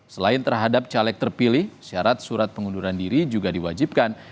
selain terhadap caleg terpilih syarat surat pengunduran diri juga diwajibkan